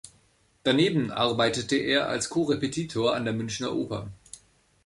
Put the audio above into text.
Daneben arbeitete er als Korrepetitor an der Münchner Oper.